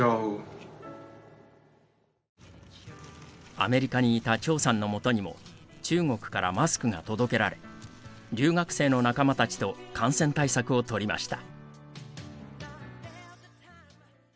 アメリカにいた張さんの元にも中国からマスクが届けられ留学生の仲間たちと感染対策をとりました。